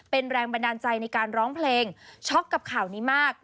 เป็นแรงบันดาลใจในการร้องเพลงช็อกกับข่าวนี้มาก